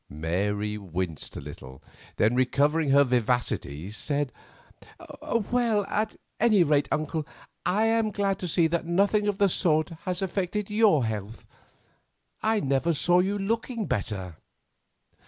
Mary winced a little, then, recovering her vivacity, said: "Well, at any rate, uncle, I am glad to see that nothing of the sort has affected your health; I never saw you looking better."